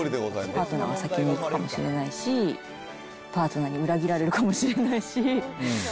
パートナーが先にいくかもしれないし、パートナーに裏切られるかもしれないし。